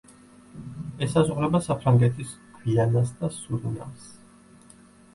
ესაზღვრება საფრანგეთის გვიანას და სურინამს.